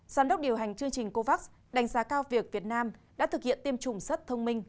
giám đốc điều hành chương trình covax đánh giá cao việc việt nam đã thực hiện tiêm chủng sắt thông minh